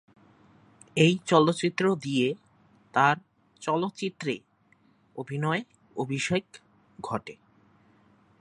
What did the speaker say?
এই চলচ্চিত্র দিয়ে তার চলচ্চিত্রে অভিনয়ে অভিষেক ঘটে।